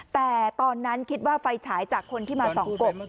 แต่ตอนนั้นคิดว่าไฟฉายจากคนที่มาส่องกบ